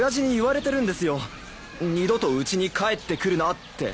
二度とうちに帰ってくるなって。